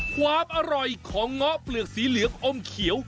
ความอร่อยของเงาะเปลือกสีเหลืองอมเขียว